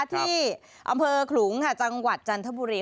ที่อำเภอขลุงค่ะจังหวัดจันทบุรี